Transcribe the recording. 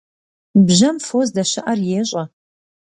Бжьэм фо здэщыIэр ещIэ.